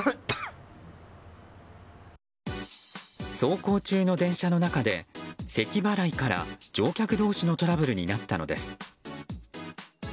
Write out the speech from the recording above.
走行中の電車の中でせき払いから乗客同士のトラブルになったのです。